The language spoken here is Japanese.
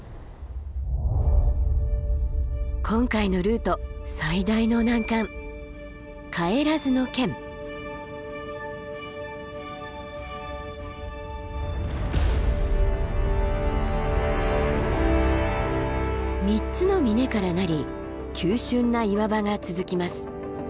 今回のルート最大の難関３つの峰からなり急峻な岩場が続きます。